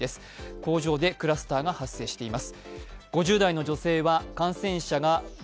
工場でクラスターが発生しています。